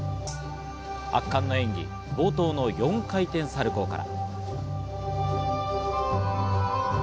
圧巻の演技、冒頭の４回転サルコーから。